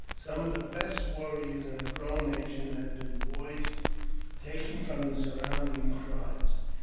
Some of the best warriors in the Crow nation had been boys taken from the surrounding tribes.